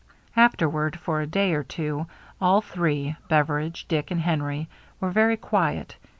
Afterward, for a day or two, all three, Bev eridge, Dick, and Henry, were very quiet.